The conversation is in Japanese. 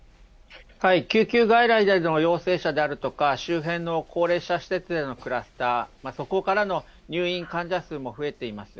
救急外来での陽性者であるとか、周辺の高齢者施設でのクラスター、そこからの入院患者数も増えています。